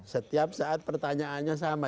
setiap saat pertanyaannya sama